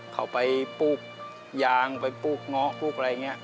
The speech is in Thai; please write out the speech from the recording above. เขาไปปลูกยางไปปลูกเงาะปลูกอะไรอย่างนี้